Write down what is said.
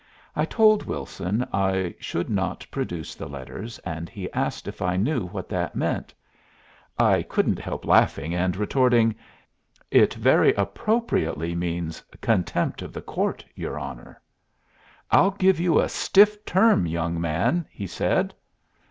I told Wilson I should not produce the letters, and he asked if I knew what that meant. I couldn't help laughing and retorting, "It very appropriately means 'contempt of the court,' your honor." "I'll give you a stiff term, young man," he said.